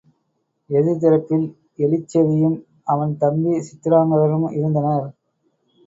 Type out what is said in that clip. எதிர்த்தரப்பில் Ilyich செவியும் அவன் தம்பி சித்திராங்கதனும் இருந்தனர்.